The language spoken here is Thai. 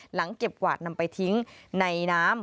หลังเก็บกวาดนำไปทิ้งในน้ำ